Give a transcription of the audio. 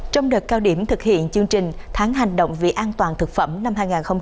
trong đợt cao điểm thực hiện chương trình tháng hành động vì an toàn thực phẩm năm hai nghìn hai mươi bốn